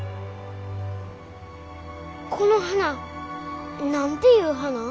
この花何ていう花？